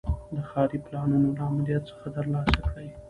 د ښاري پلانونو له آمریت څخه ترلاسه کړي.